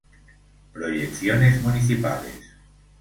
Proyecciones municipales.